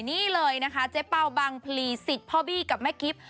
นี่เลยนะคะเจ๊เป่าบังพลีสิทธิ์พ่อบี้กับแม่กิ๊บ